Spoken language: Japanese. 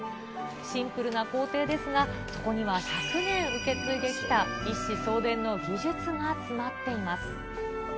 シンプルな工程ですが、そこには１００年受け継いできた一子相伝の技術が詰まっています。